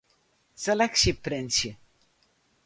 Seleksje printsje.